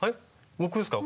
僕ですか？